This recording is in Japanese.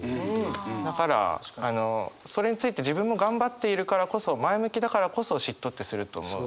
だからそれについて自分も頑張っているからこそ前向きだからこそ嫉妬ってすると思うんで。